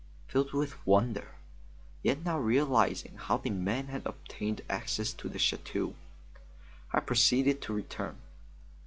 Filled with wonder, yet now realizing how the man had obtained access to the chateau, I proceeded to return.